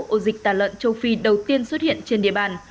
ổ dịch tà lợn châu phi đầu tiên xuất hiện trên địa bàn